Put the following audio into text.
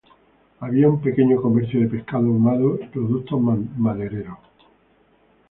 Había un pequeño comercio de pescado ahumado y productos madereros.